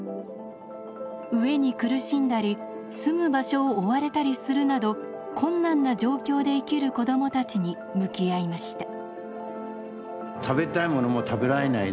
飢えに苦しんだり住む場所を追われたりするなど困難な状況で生きる子どもたちに向き合いました。